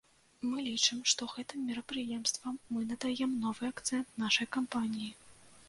Мы лічым, што гэтым мерапрыемствам мы надаем новы акцэнт нашай кампаніі.